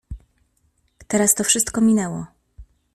Teraz to wszystko minęło…